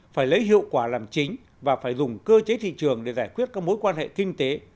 phải lấy hiệu quả làm chính và phải dùng cơ chế thị trường để giải quyết các mối quan hệ kinh tế